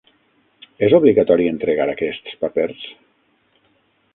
És obligatori entregar aquests papers?